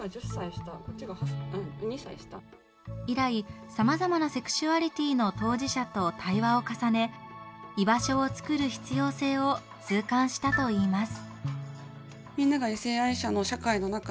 以来さまざまなセクシュアリティーの当事者と対話を重ね居場所を作る必要性を痛感したといいます。